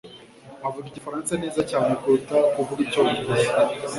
avuga igifaransa neza cyane kuruta kuvuga icyongereza